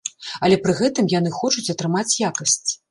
Але пры гэтым яны хочуць атрымаць якасць.